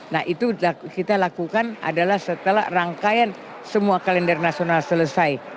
nah itu kita lakukan adalah setelah rangkaian semua kalender nasional selesai